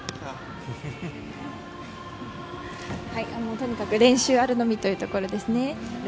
とにかく練習あるのみというところですね。